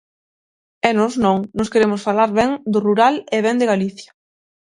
E nós non, nós queremos falar ben do rural e ben de Galicia.